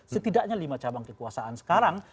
setidaknya lima cabang kekuasaan sekarang